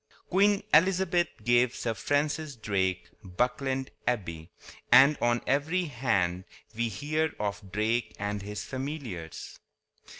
Queen Elizabeth gave Sir Francis Drake Buckland Abbey; and on every hand we hear of Drake and his familiars.